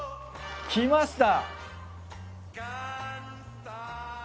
きました！